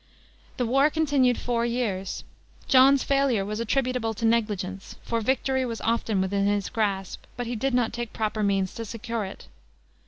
This war continued four years. John's failure was attributable to negligence; for victory was often within his grasp, but he did not take proper means to secure it.